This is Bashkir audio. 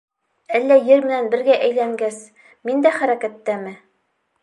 Әллә ер менән бергә әйләнгәс, мин дә хәрәкәттәме?!